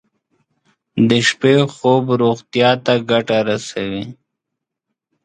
د شپې خوب روغتیا ته ګټه رسوي.